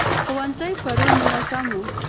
ښوونځي پرون منظم وو.